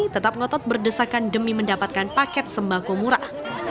tetap ngotot berdesakan demi mendapatkan paket sembako murah